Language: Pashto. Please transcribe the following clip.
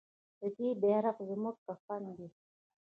د دې بیرغ زموږ کفن دی؟